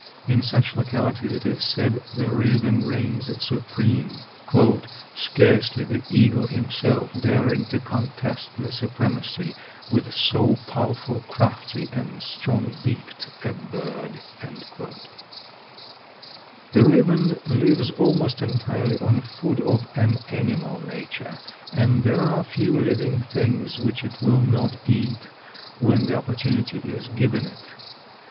In such localities it is said the raven reigns supreme, "scarcely the eagle himself daring to contest the supremacy with so powerful, crafty, and strong beaked a bird." The raven lives almost entirely on food of an animal nature, and there are few living things which it will not eat when the opportunity is given it.